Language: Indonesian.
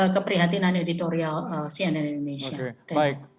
keprihatinan editorial cnn indonesia